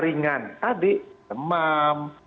ringan tadi temam